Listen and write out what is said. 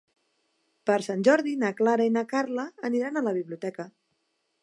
Per Sant Jordi na Clara i na Carla aniran a la biblioteca.